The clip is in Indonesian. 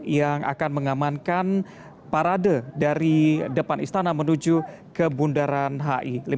yang akan mengamankan parade dari depan istana menuju ke bundaran hi